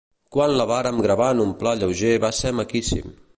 Quan la vàrem gravar en un pla lleuger va ser maquíssim.